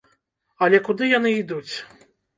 Але куды яны ідуць?